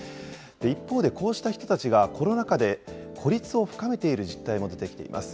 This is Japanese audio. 一方で、こうした人たちが、コロナ禍で孤立を深めている実態も出てきています。